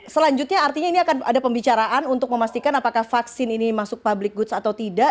selanjutnya artinya ini akan ada pembicaraan untuk memastikan apakah vaksin ini masuk public goods atau tidak